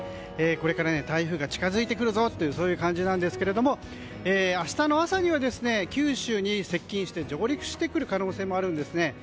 これから台風が近づいてくるぞという感じですが明日の朝には九州に接近して上陸してくる可能性もあるんですね。